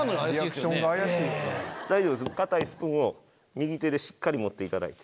硬いスプーンを右手でしっかり持っていただいて。